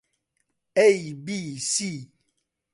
ئەی بی سی